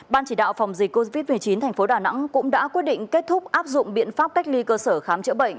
ban chỉ đạo phòng dịch covid một mươi chín thành phố đà nẵng cũng đã quyết định kết thúc áp dụng biện pháp cách ly cơ sở khám chữa bệnh